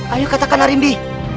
ayuh katakan narimbi